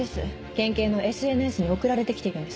県警のＳＮＳに送られてきているんです。